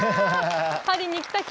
パリに来た気分。